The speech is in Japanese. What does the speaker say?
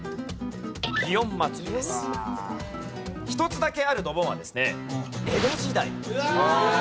１つだけあるドボンはですね江戸時代。